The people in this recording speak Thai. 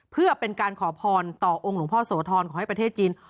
เพื่อเป็นการขอพรต่อองค์หลวงพ่อโสธรขอให้ประเทศจีน